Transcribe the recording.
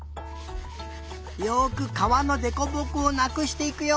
よくかわのでこぼこをなくしていくよ。